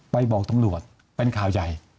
บอกตำรวจเป็นข่าวใหญ่